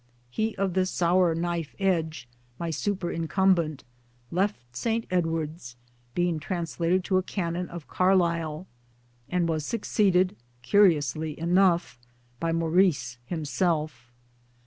He of the sour knife edge, my superincumbent, left St. Edward's, being translated into a canon of Carlisle, and was succeeded, curiously enough, by Maurice himself.